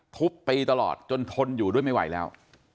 ทุบตีตลอดจนทนอยู่ด้วยไม่ไหวแล้ว